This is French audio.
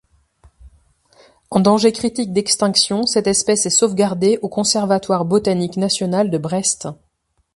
En danger critique d'extinction, cette espèce est sauvegardée au Conservatoire botanique national de Brest.